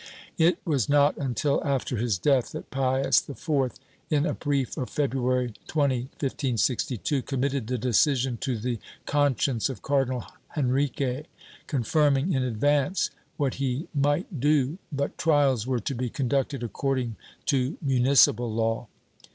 It was not until after his death that Pius IV, in a brief of February 20, 1562, committed the decision to the con science of Cardinal Henrique, confirming in advance what he might do — but trials were to be conducted according to municipal law.